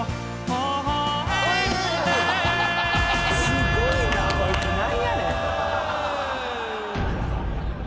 すごいな。